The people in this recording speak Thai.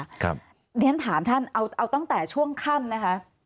เรียนถามท่านเอาตั้งแต่ช่วงค่ำนะคะ